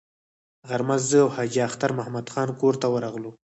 غرمه زه او حاجي اختر محمد خان کور ته ورغلو.